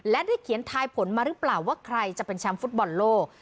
และได้เขียนทายผลมาหรือเปล่าว่าใครจะเป็นแชมป์ฟุตบอลโลก